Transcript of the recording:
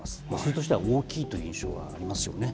としては大きいという印象がありますよね。